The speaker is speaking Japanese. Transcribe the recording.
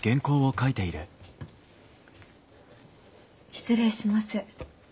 失礼します。